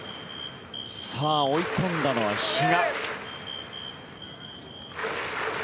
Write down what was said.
さあ、追い込んだのは比嘉。